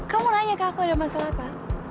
kamu nanya ke aku ada masalah apa